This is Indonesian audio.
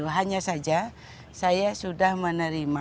hanya saja saya sudah menerima